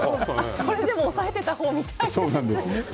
これでも抑えてたほうみたいです。